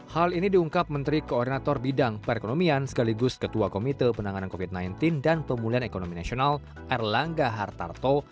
hal ini diungkap menteri koordinator bidang perekonomian sekaligus ketua komite penanganan covid sembilan belas dan pemulihan ekonomi nasional erlangga hartarto